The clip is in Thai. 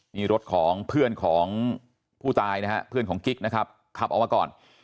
นี่รถของเพื่อนของผู้ตายนะฮะเพื่อนของกิ๊กนะครับขับออกมาก่อน